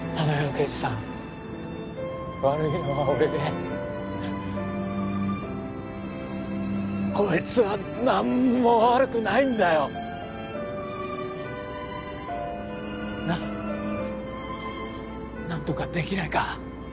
刑事さん悪いのは俺でこいつは何も悪くないんだよな何とかできないか？